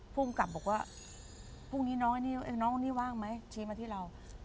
พูดกลับบอกว่าพรุ่งนี้น้องนี่ว่างไหมชี้มาที่เรา